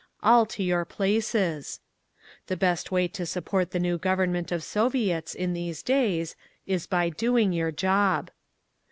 All to your places. "The best way to support the new Government of Soviets in these days—is by doing your job.